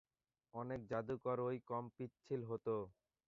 অনেক জাদুকরই কম পিচ্ছিল হতো।